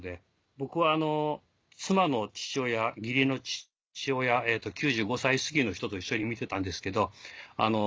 僕は妻の父親義理の父親９５歳すぎの人と一緒に見てたんですけど。